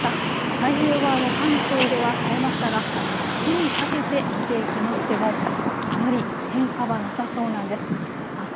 太平洋側の関東では晴れましたがあすにかけて見ていきましてもあまり変化はなさそうなんです。